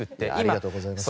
ありがとうございます。